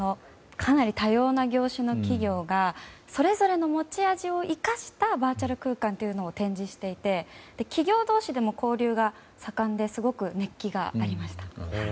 かなり多様な業種の企業がそれぞれの持ち味を生かしたバーチャル空間というのを展示していて企業同士でも交流が盛んですごく熱気がありました。